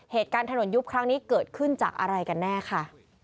เหตุการณ์ถนนยุบครั้งนี้เกิดขึ้นจากอะไรกันแน่ค่ะ